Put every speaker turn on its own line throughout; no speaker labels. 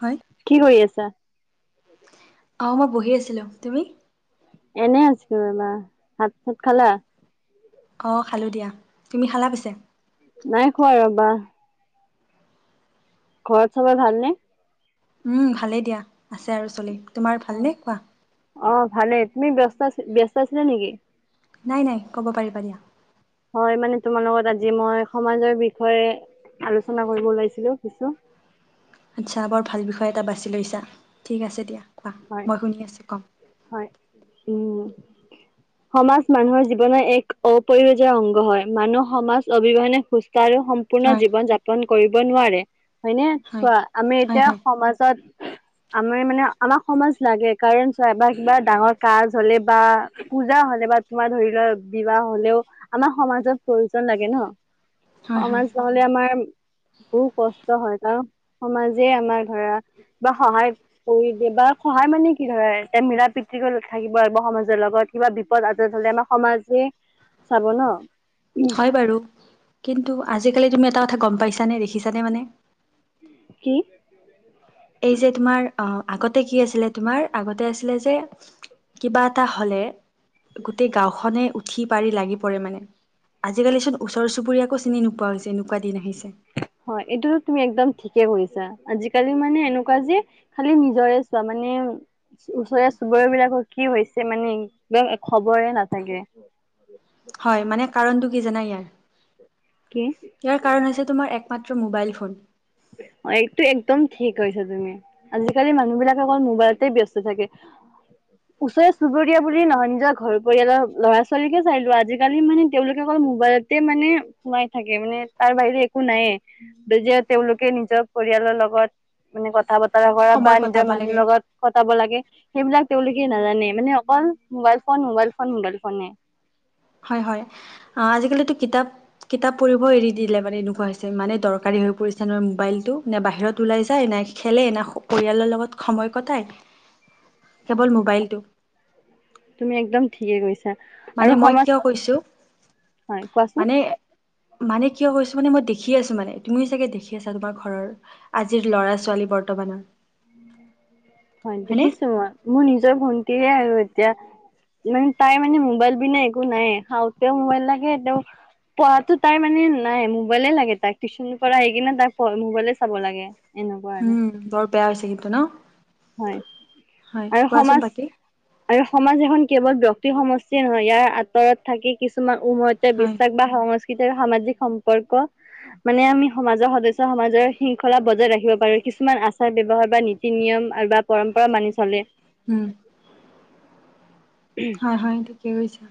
হয়-
কি কৰি আছা। [inaudible]
অঁ মই বহি আছিলোঁ তুমি?
এনেই আছো ৰবা ভাত -চাত খালা।
অঁ খালোঁ দিয়া, তুমি খালা পিছে?
নাই খোৱা ৰ'বা। ঘৰত চবৰ ভালনে?
উম, ভালেই দিয়া আছে আৰু চলি তোমাৰ ভালনে কোৱা?
অ, ভালে তুমি ব্যস্ত আছি ব্যস্ত আছিলা নেকি?
নাই-নাই ক'ব পাৰিবা দিয়া।
হয় মানে তোমাৰ লগত আজি মই সমাজৰ বিষয়ে আলোচনা কৰিব ওলাইছিলো কিছু।
আচ্ছা, বৰ ভাল বিষয় এটা বাছি লৈছা ঠিক আছে দিয়া কোৱা
হয়
মই শুনি আছোঁ ক'ম।
হয়। উম, সমাজ মানুহৰ জীৱনৰ এক অপ্ৰয়োজন অংগ হয় মানুহ সমাজ অবিহনে সুস্থ আৰু সম্পুৰ্ণ
হয়
জীৱন যাপন কৰিব নোৱাৰে হয়নে
হয়
চোৱা আমি
হয়
এতিয়া
হয়
সমাজত আমাৰ মানে আমাক সমাজ লাগে কাৰণ চোৱা ডাঙৰ কাজ হলে বা, পূজা হলে বা তোমাৰ ধৰি লোৱা বিবাহ হলেও আমাৰ সমাজত প্ৰয়োজন লাগে ন।
হয় হয়
সমাজ নহ'লে আমাৰ বহু কষ্ট হয় কাৰণ সমাজে আমাৰ ধৰা বা সহায় কৰি দি বা সহায় মানে কি ধৰে এতিয়া মিলা প্ৰীতিক থাকিব আৰুিব সমাজৰ লগত। কিবা বিপদ আপদ হ'লে আমাৰ সমাজে চাব ন।
হয় বাৰু কিন্তু আজিকালি তুমি এটা কথা গম পাইছানে দেখিছানে মানে?
কি?
এই যে তোমাৰ আহ আগতে কি আছিলে তোমাৰ? আগতে আছিলে যে কিবা এটা হলে গোটেই গাওঁখনে উঠি পাৰি লাগি পৰে মানে। আজিকালিচোন ওচৰ চুবুৰীয়াকো চিনি নোপোৱা হৈছে এনেকুৱা দিন আহিছে।
হয় এইটোতো তুমি একদম ঠিকে কৰিছা আজিকালি মানে এনেকুৱা যে, খালি নিজৰে চোৱা মানে ওচৰে চুবুৰীয়া বিলাকৰ কি হৈছে মানে একদম খবৰে নাথাকে।
হয় মানে কাৰণটো কি জানা ইয়াৰ?
কি?
ইয়াৰ কাৰণ হৈছে তোমাৰ একমাত্ৰ মোবাইল ফোন।
অ, এইটো একদম ঠিক কৈছা তুমি। আজিকালি মানুহবিলাক অকল মোবাইলতে ব্যস্ত থাকে। ওচৰৰে চুবুৰীয়া বুলি নহয় নিজৰ ঘৰ পৰিয়ালৰ ল'ৰা ছোৱালীকে চাই লো আজিকালি মানে তেওঁলোকে অকল মোবাইলত, মানে সোমাই থাকে মানে তাৰ বাহিৰে একো নাইয়ে যে তেওঁলোকে নিজৰ পৰিয়ালৰ লগত মানে কথা বতৰা কৰা বা
সময় কটাব
নিজৰ মানুহৰ
লাগে
লগত কটাব লাগে সেইবিলাক তেওঁলোকে নাজানে মানে অকল mobile phone, mobile, mobile, mobile ফোনে।
হয়-হয়। আজিকালিতো কিতাপ কিতাপ পঢ়িব এৰি দিলে মানে এনেকুৱা হৈছে মানে দৰকাৰী হৈ পৰিছে ন মোবাইলতটো নে বাহিৰত ওলাই যায় নাই খেলে না পৰিয়ালৰ লগত সময় কটায়
[inaudible]
কেৱল মোবাইলটো।
তুমি একদম ঠিকে কৈছা।
মানে
আৰু
মই
সমাজ
কিয় কৈছোঁ,
হয় কোৱাচোন।
মানে মানে কিয় কৈছোঁ মানে মই দেখি আছোঁ মানে তুমিও চাগে দেখি আছা তোমাৰ ঘৰৰ। আজিৰ ল'ৰা ছোৱালী বৰ্তমানৰ।
হয়,
হয়নে
দেখিছোঁ মই! মোৰ নিজৰ ভন্টিয়ে আৰু এতিয়া মানে তাই মানে মোবাইল বিনে একো নাইয়ে, খাওঁতে মোবাইল লাগে তেওঁ পঢ়াতো তাই মানে নাইয়ে মোবাইলে লাগে তাই টিউশচন পৰা আহি কিনে তাই মোবাইলে চাব লাগে! এনেকুৱা আৰু
উম, বৰ বেয়া হৈছে কিন্তু ন!
হয়,
হয়
আৰু
কোৱাচোন
সমাজ
বাকী
আৰু সমাজ এখন কেৱল ব্যক্তি সমষ্টিয়ে নহয় ইয়াৰ আঁতৰত থাকি কিছুমান উন্ময়তে
হয়
বিশ্বাস বা সংস্কৃতি আৰু সামাজিক সম্পৰ্ক মানে আমি সমাজৰ সদস্য সমাজৰ শৃংখলা বজাই ৰাখিব পাৰোঁ! কিছুমান আচাৰ ব্যৱহাৰ বা নীতি নিয়ম আৰু বা পৰম্পৰা মানি চলে!
উম!
[unintelligible]
হয়, হয়! ঠিকেই কৈছা!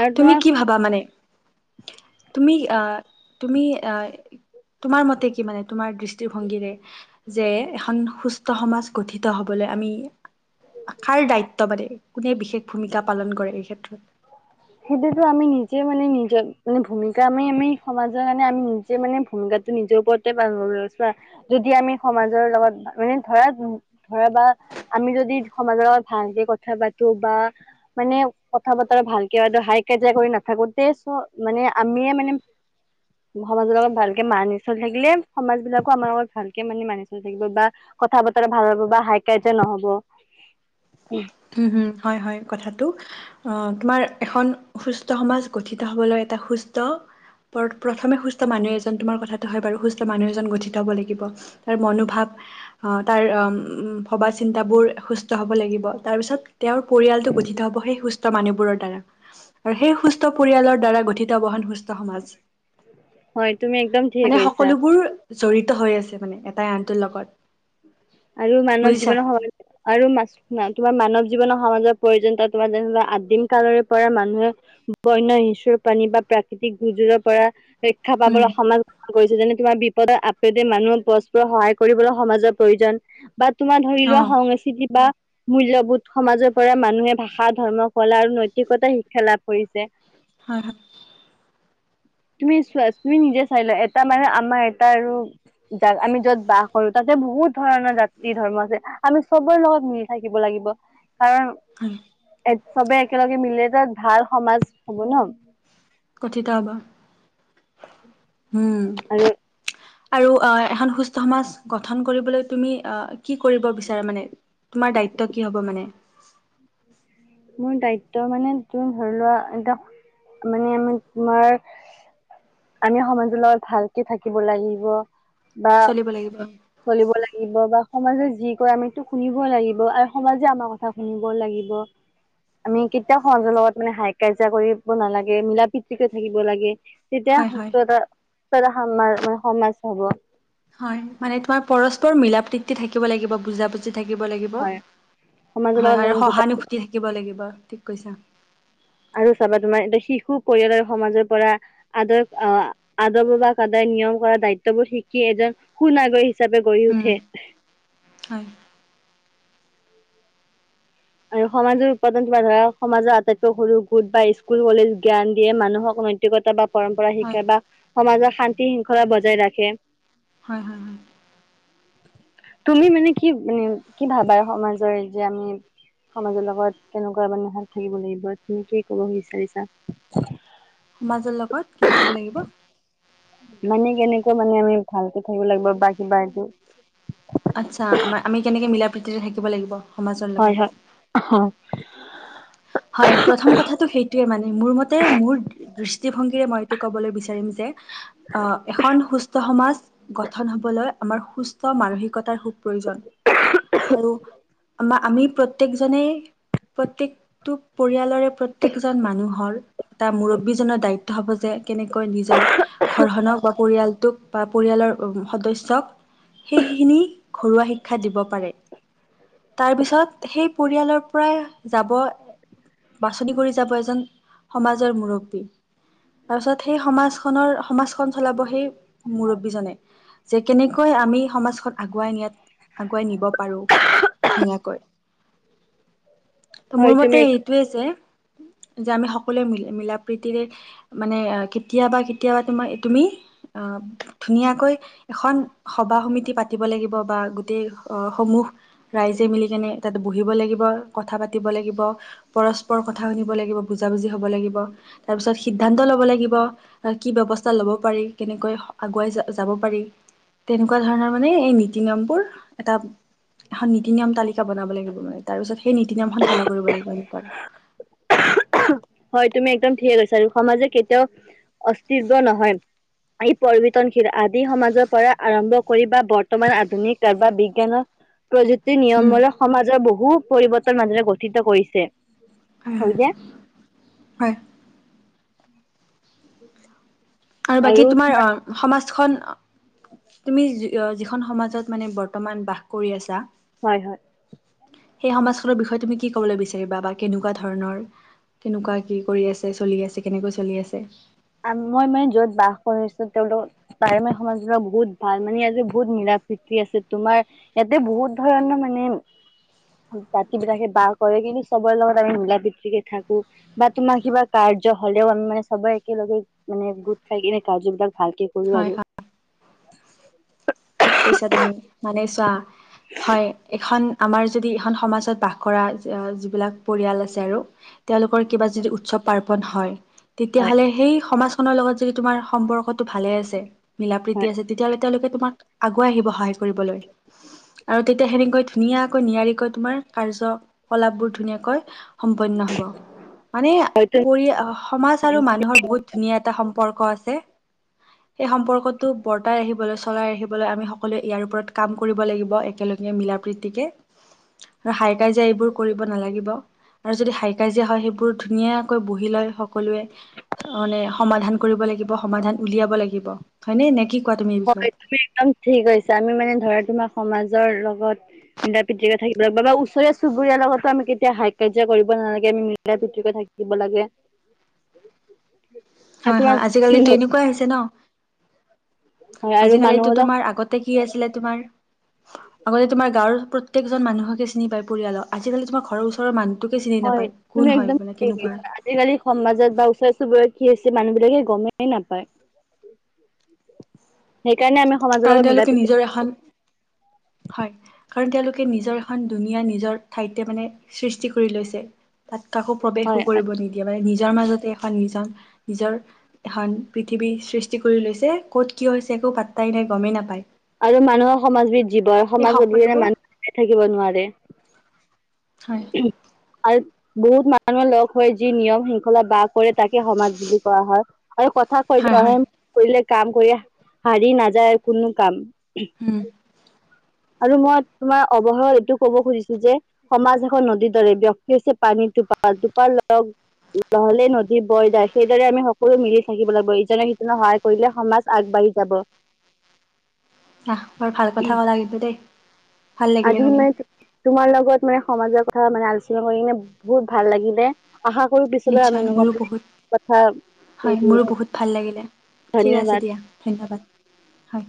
আৰু
তুমি
তোমাৰ
কি ভাবা মানে? তুমি আ, তুমি আ তোমাৰ মতে কি মানে, তোমাৰ দৃষ্টিভঙ্গীৰে? যে এখন সুস্থ সমাজ গঠিত হবলৈ আমি আশাৰ দায়িত্ব বাদে কোনে বিশেষ ভূমিকা পালন কৰে এই ক্ষেত্ৰত?
সেইটোতো আমি নিজে মানে নিজৰ মানে ভূমিকা আমি, আমি সমাজৰ কাৰণে আমি নি জে, মানে ভূমিকাটো নিজৰ ওপৰতে [inaudible] যদি আমি সমাজৰ লগত মানে ধৰা, ধৰা বা আমি যদি সমাজৰ লগত ভালকে কথা পাতো বা মানে কথা বতৰা ভাল কিবা হাই কাজিয়া কৰি নাথাকোঁতে চ' মানে আমিয়ে মানে সমাজৰ লগত ভালকে মানি চলি থাকিলে সমাজবিলাকো আমাৰ লগত ভালকে মানে মানি চলি থাকিব বা কথা বতৰা ভাল হ'ব বা হাই কাৰযে নহ'ব!
উম, উম! হয়, হয় কথাটো! আহ তোমাৰ এখন সুস্থ সমাজ গঠিত হবলৈ এটা সুস্থ প প্ৰথমে সুস্থ মানুহ এজন তোমাৰ কথাটো হয় বাৰু সুস্থ মানুহ এজন গঠিত হ'ব লাগিব! তাৰ মনোভাৱ আহ তাৰ ভবা চিন্তাবোৰ সুস্থ হ'ব লাগিব! তাৰপিছত তেওঁৰ পৰিয়ালটো গঠিত হ'ব সেই সুস্থ মানুহবোৰৰ দ্বাৰা! আৰু সেই সুস্থ পৰিয়ালৰ দ্বাৰা গঠিত হ'ব এখন সুস্থ সমাজ!
হয় তুমি একদম ঠিকে
মানে
কৈছা।
সকলোবোৰ জড়িত হৈ আছে মানে এটাই আনটোৰ লগত!
আৰু মানৱ
বুজিছা
জীৱনৰ সম আৰু মাছ নাই তোমাৰ মানৱ জীৱনৰ সমাজৰ প্ৰয়োজনতা তোমাৰ যেনো আদিম কালৰে পৰা মানুহে বন্য ইচুৰ প্ৰাণী বা প্ৰাকৃতিক গুজুৰৰ পৰা ৰক্ষা
উম
পাবলৈ সমাজ কৰিছে যেনে তোমাৰ বিপদৰ আপেতে মানুহে পৰস্পৰ সহায় কৰিবলৈ সমাজৰ প্ৰয়োজন! বা তোমাৰ ধৰি
অ
লোৱা সংস্কৃতি বা মূল্যবোধ সমাজৰ পৰা মানুহে ভাষা ধৰ্ম কলা আৰু নৈতিকতা শিক্ষা লাভ কৰিছে! [inaudible]
হয়, হয়।
তুমি চোৱাচ তুমি নিজে চাই লোৱা এটা মানে আমাৰ এটা আৰু যাৰ আমি য'ত বাস কৰো তাতে বহুত ধৰণৰ জাতি ধৰ্ম আছে আমি চবৰে লগত মিলি থাকিব লাগিব, কাৰণ
হয়।
[inaudible] চবে একেলগে মিলে য'ত ভাল সমাজ হ'ব ন'।
গঠিত হ'ব। হম।
আৰু
আৰু আ, এখন সুস্থ সমাজ গঠন কৰিবলৈ তুমি আ, কি কৰিব বিচাৰা মানে? তোমাৰ দায়িত্ব কি হ'ব মানে?
[inaudible] মোৰ দায়িত্ব মানে তোৰ ধৰি লোৱা এটা মানে তোমাৰ- আমি সমাজৰ লগত ভালকে থাকিব লাগিব বা-
চলিব লাগিব
চলিব লাগিব বা সমাজে যি কয় আমিতো শুনিব লাগিব আৰু সমাজে আমাৰ কথা শুনিব লাগিব। আমি কেতিয়াও সমাজৰ লগত মানে হাই কাজিয়া কৰিব নালাগে মিলা প্ৰতিকে থাকিব লাগে। তেতিয়া
হয় হয়
সুস্থতা সামাৰ মানে সমাজ হ'ব।
হয়ঁ মানে তোমাৰ পৰস্পৰ মিলা প্ৰীতি থাকিব লাগিব বুজাবুজি থাকিব লাগিব। ব,
হয় সমাজৰ
হয়ঁ
লগত
হয়ঁ আৰু
আমি বুজা
সহানুভূতি থাকিব লাগিব ঠিক কৈছা।
আৰু চাবা তোমাৰ দেখি হো শু পৰিয়ালৰ সমাজৰ পৰা- আদৰ্শ আ আদৰবাব নিয়ম কৰা দায়িত্ব বোৰ শিকি এজন সু নাগৰিক - হিচাপে গঢ়ি
উম
উঠে।
হয়।
আৰু সমাজৰ উৎপাদন তোমাৰ ধৰা সমাজৰ আটাইতকৈ সৰু গোট বাই স্কুল কলেজ জ্ঞান দিয়ে মানুহক নৈ- নৈতিক গতা বা পৰম্পৰা
হয় হয়
শিকে বা সমাজৰ শান্তি শৃংখলা বজাই ৰাখে।
হয়ঁ, হয়ঁ, হয়ঁ।
তুমি মানে কি মানে কি ভাবা সমাজৰে যে আমি- সমাজৰ লগত কেনেকুৱা মানে হাত থাকিব লাগিব তুমি কি ক'ব বিচাৰিছা?
মাজৰ লগত কি থাকিব লাগিব?
মানে কেনেকুৱা মানে আমি ভালকে থাকিব লাগিব বা কিবা এটো-
আচ্ছা আমাৰ আমি কেনেকে মিলা প্ৰীতিৰে থাকিব লাগিব। সমাজৰ
হয়ঁ,
লগত
হয়ঁ অহ।
হয়ঁ প্ৰথম কথাটো সেইটোৱে মানে মোৰ মতে মোৰ দৃষ্টিভংগীৰে মই এইটো ক'বলৈ বিচাৰিম যে- অঁ, এখন সুস্থ সমাজ- গঠন হ'বলৈ আমাৰ সুস্থ মানসিকতাৰ খুব প্ৰয়োজন। আৰু আমা আমি প্ৰত্যেকজনে প্ৰত্যেক- টো পৰিয়ালৰে প্ৰত্যেকজন মানুহৰ- তাৰ মুৰব্বীজনৰ দায়িত্ব হ'ব যে কেনেকৈ নিজাৰ- ঘৰখনক বা পৰিয়ালটোক বা পৰিয়ালৰ সদস্যক- সেই সেইখিনি ঘৰুৱা শিক্ষা দিব পাৰে। তাৰপিছত সেই পৰিয়ালৰ পৰাই যাব- বাছনি কৰি যাব এজন সমাজৰ মুৰব্বী। তাৰপিছত সেই সমাজখনৰ সমাজখন চলাব সেই মুৰব্বীজনে। যে কেনেকৈ আমি সমাজখন আগুৱাই নিয়াত আগুৱাই নিব পাৰোঁ। ধুনীয়াকৈ।
[unintelligible]
ত' মোৰ মতে
তুমি
এইটোৱে যে, যে আমি সকলোৱে মিল-মিলা প্ৰীতিৰে- মানে আ, কেতিয়াবা কেতিয়াবা তোমাৰ এ, তুমি আ, ধুনীয়াকৈ- এখন সভা সমিতি পাতিব লাগিব বা গোটেই আ, সমূহ- ৰাইজে মিলি কিনে তাতে বহিব লাগিব কথা পাতিব লাগিব। পৰস্পৰ কথা শুনিব লাগিব বুজাবুজি হ'ব লাগিব তাৰ পিছত সিদ্ধান্ত ল'ব লাগিব। কি ব্যৱস্থা ল'ব পাৰি কেনেকৈ আগুৱাই যাব যাব পাৰি তেনেকুৱা ধৰণৰ মানে এই নী- তি নিয়মবোৰ এটা এখন নীতি নিয়ম তালিকা বনাব লাগিব মানে তাৰ পিছত সেই নীতি নিয়ম খন ফ'লক। কৰিব লাগিব এনেকুৱাত।
হয়ঁ তুমি একদম ঠিকে কৈছা আৰু সমাজে কেতিয়াও অস্তিত্ব নহয়। ই পৰিৱৰ্তনশীল আদি সমাজৰ পৰা আৰম্ভ কৰি বা বৰ্তমান আধুনিক নাইবা বিজ্ঞানৰ- প্ৰযুক্তিৰ
উম
নিয়মবোৰো সমাজৰ বহু পৰিৱৰ্তন মানুহে গঠিত কৰিছে।
উম
হয় যে
হয়।
[unintelligible] [inaudible]
আৰু বাকী তোমাৰ অ সমাজখন অ তুমি যিখন সমাজত মানে বৰ্তমান বাস কৰি আছা।
হয় হয়।
সেই সমাজখনৰ বিষয়ে তুমি কি ক'বলে বিচাৰিবা বা কেনেকুৱা ধৰণৰ। কেনেকুৱা কি কৰি আছে চলি আছে কেনেকৈ চলি আছে।
আ মই মানে য'ত বাস কৰিছো তেওঁলোকৰ প্ৰায় সমাজৰ বহুত ভাল মানে আজি বহুত মিলা প্ৰীতি আছে তোমাৰ ইয়াতে বহুত ধৰণৰ মানে জাতি বিলাকে বাস কৰে কিন্তু চবৰে লগত আমি মিলা প্ৰীতিকে থাকো। বা তোমাৰ কিবা কাৰ্য হ'লেও আমি মানে চবে একেলগে মানে গোট খাই কিনে কাৰ্যবিলাক ভালকে কৰো
হয় হয়
আৰু।
ঠিক কৈছা তুমি মানে চোৱা হয় এখন আমাৰ যদি এখন সমাজত বাস কৰা আ যিবিলাক পৰিয়াল আছে আৰু তেওঁলোকৰ কিবা যদি উৎসৱ পাৰ্বণ হয়। তেতিয়া
হয়
হ'লে সেই সমাজখনৰ লগত যদি তোমাৰ সম্পৰ্কটো ভালে আছে মিলা- প্ৰীতি
হয়
আছে তেতিয়া হ'লে তেওঁলোকে তোমাক আগুৱাই আহিব সহায় কৰিবলৈ আৰু তেতিয়া সেনেকৈ ধুনীয়াকৈ নিয়াৰিকৈ তোমাৰ কাৰ্য কলাপ বোৰ ধুনীয়াকৈ সম্পন্ন হ'ব, মানে
হয়তো
পৰি অহ সমাজ আৰু মানুহৰ বহুত ধুনীয়া এটা সম্পৰ্ক আছে। সেই সম্পৰ্কটো বৰ্তাই আহিবলৈ চলাই আহিব লৈ আমি সকলোৱে ইয়াৰ ওপৰত কাম কৰিব লাগিব একেলগে মিলা-প্ৰীতিকে। আৰু হাই কাজিয়া এইবোৰ কৰিব নালাগিব। আৰু যদি হাই কাজিয়া হয় সেইবোৰ ধুনীয়াকৈ বহি লৈ সকলোৱে। মানে সমাধান কৰিব লাগিব সমাধান উলিয়াব লাগিব হয় নে, নে কি কোৱা তুমি এই বিষয়ত?
হয় তুমি একদম ঠিক কৈছা আমি মানে ধৰা তোমাৰ সমাজৰ লগত মিলা প্ৰীতিৰে থাকিব লাগিব, বা ওচৰীয়া চুবুৰীয়াৰ লগতো আমি কেতিয়াও হাই কাজীয়া কৰিব নালাগে আমি মিলা-প্ৰীতিকৈ থাকিব লাগে। আৰু
হয় হয়
তোমাৰ
আজিকালিতো এনেকুৱাই হৈছে ন,
হয় আৰু
আজিকালিতো
মানুহো
তোমাৰ আগত তে কি আছিলে তোমাৰ আগতে তোমাৰ গাওঁৰ প্ৰত্যেকজন মানুহকে চিনি পায় পৰিয়ালৰ, আজিকালি তোমাৰ ঘৰৰ ওচৰৰ মানুহ টোকে চিনি
হয়
নাপায়,
তুমি
কোন
একদম
হয় মানে
ঠিক
কেনেকুৱা।
কৈছা আজিকালি সমাজত বা ওচৰ চুবুৰীয়াত কি হৈছে মানুহ বিলাকে গমেই নাপায়। সেইকাৰণে আমি সমাজৰ
কাৰণ
লগত মিলা-
তেওঁলোকে
প্ৰীতি
নিজৰ এখন হয়। কাৰণ তেওঁলোকে নিজৰ এখন দুনীয়া নিজৰ ঠাইতে মানে সৃষ্টি কৰি লৈছে। তাত কাকো প্ৰৱেশো
হয়
কৰিব নিদিয়ে মানে নিজৰ মাজতে এখন নিজৰ নিজৰ এখন পৃথিৱী সৃষ্টি কৰি লৈছে ক'ত কি হৈছে একো পাট্টাই নাই গমেই নাপায়।
আৰু মানুহৰ সমাজবিধ জীৱই
এই
সমাজ অবিহনে
সকলোবোৰ
মানুহে থাকিব নোৱাৰে।
হয়।
আৰু বহুত মানুহে লগ হৈ যি নিয়ম শৃংখলা বাস কৰে তাকে সমাজ বুলি কোৱা হয়। আৰু কথা কয়
হয় হয়
যে কৰিলে কাম কৰি হাৰি নাযায় কোনো কাম।
হম
আৰু মই তোমাৰ অৱহাৰত এইটো কব খুজিছো যে সমাজ এখন নদীৰ দৰে ব্যক্তি হৈছে পানী [unintelligible] নহলে নদী বৈ যায় সেইদৰে আমি সকলো মিলি থাকিব লাগিব ইজনে সিজনক সহায় কৰিলে সমাজ আগবাঢ়ি যাব।
আহ বৰ ভাল কথা কলা কিন্তু দেই। ভাল লাগিলে
আজি
শুনি
মানে তোমাৰ লগত মানে সমাজৰ কথা মানে আলোচনা কৰি কিনে বহুত ভাল লাগিলে। আশা কৰো পিছলৈ আমি
নিশ্চয় মোৰো বহুত
এনেকুৱা কথা
হয় মোৰো
[unintelligible]
বহুত ভাল লাগিলে ঠিক আছে
ধন্যবাদ।
দিয়া ধন্যবাদ হয়।